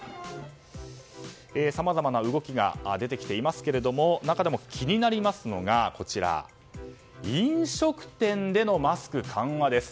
さまざまな動きが出てきていますが中でも、気になりますのが飲食店でのマスク緩和です。